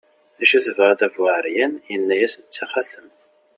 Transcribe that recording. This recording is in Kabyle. acu tebɣiḍ a bu ɛeryan, yenna-as d taxatemt